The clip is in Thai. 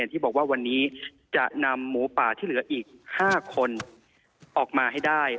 ที่บอกว่าวันนี้จะนำหมูป่าที่เหลืออีก๕คนออกมาให้ได้